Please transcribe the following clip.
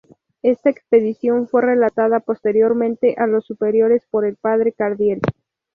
Esta expedición fue relatada posteriormente a los superiores por el padre Cardiel.